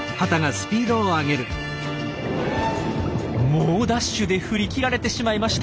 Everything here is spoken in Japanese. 猛ダッシュで振り切られてしまいました。